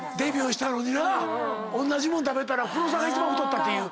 おんなじもん食べたら黒沢が一番太ったという。